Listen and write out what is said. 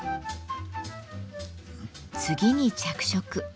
次に着色。